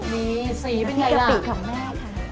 นี่สีเป็นไงล่ะนั้นพี่กะปิของแม่ค่ะ